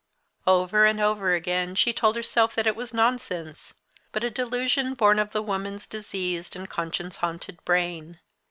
Over and over again she told herself that it was nonsense but a delusion born of the woman's diseased and conscience haunted brain.